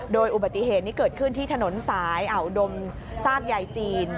โดยอุบัติเหตุนี้เกิดขึ้นที่ถนนสายอ่าวดมซากยายจีน